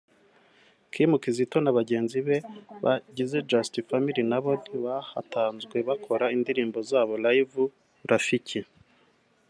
Kim Kizito na bagenzi be bagize Just Family nabo ntibahatanzwe bakora indirimbo zabo live… Rafiki